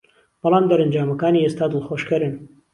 بەڵام دەرەنجامەکانی ئێستا دڵخۆشکەرن